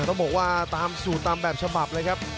ต้องบอกว่าตามสูตรตามแบบฉบับเลยครับ